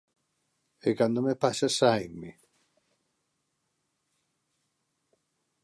E cando me pasa, sáenme